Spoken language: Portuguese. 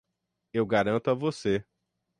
Eu garanto a você.